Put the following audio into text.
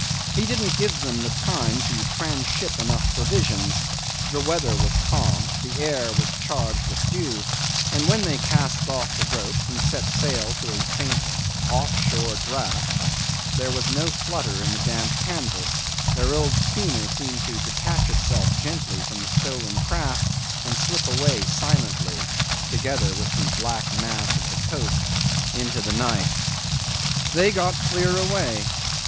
He didn't give them the time to trans ship enough provisions; the weather was calm, the air was charged with dew, and when they cast off the ropes and set sail to a faint off shore draught there was no flutter in the damp canvas; their old schooner seemed to detach itself gently from the stolen craft and slip away silently, together with the black mass of the coast, into the night. 'They got clear away.